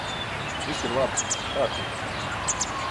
Viss ir labi! Kārtībā!